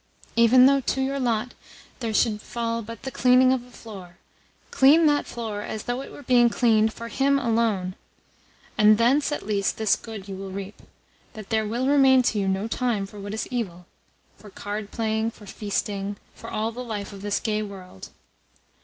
Even though to your lot there should fall but the cleaning of a floor, clean that floor as though it were being cleaned for Him alone. And thence at least this good you will reap: that there will remain to you no time for what is evil for card playing, for feasting, for all the life of this gay world.